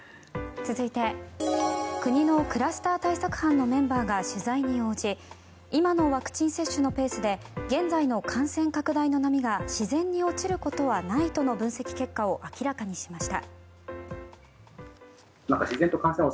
続いて国のクラスター対策班のメンバーが取材に応じ今のワクチン接種のペースで現在の感染拡大の波が自然に落ちることはないとの分析結果を明らかにしました。